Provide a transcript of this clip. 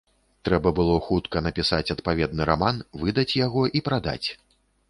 Трэба было хутка напісаць адпаведны раман, выдаць яго і прадаць.